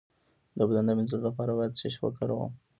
د بدن د مینځلو لپاره باید څه شی وکاروم؟